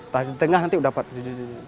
tapi di tengah nanti udah dapet